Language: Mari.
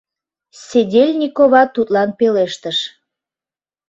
— Седельникова тудлан пелештыш.